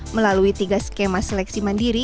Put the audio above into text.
melalui tiga skema seleksi mandiri